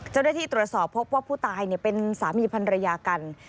เจ้าหน้าที่ตรวจสอบพบว่าผู้ตายเป็นสามีพันรยากัน